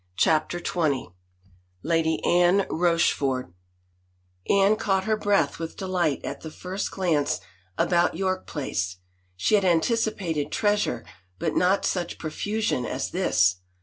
CHAPTER XX LADY ANNE ROCHFORD HNNE caught her breath with delight at the first glance about York Place. She had anticipated treasure, but not such profusion as this!